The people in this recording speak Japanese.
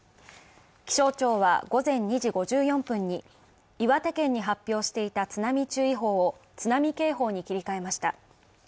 気象庁は午前２時５４分に岩手県に発表していた津波注意報を津波警報に切り替えました。